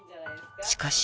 しかし］